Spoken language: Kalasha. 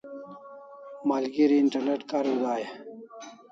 Malgeri internet kariu dai e?